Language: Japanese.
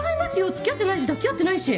付き合ってないし抱き合ってないし！